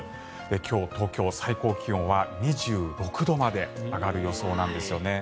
今日、東京は最高気温は２６度まで上がる予想なんですよね。